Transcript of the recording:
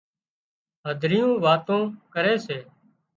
هڌريون واتون ڪري سي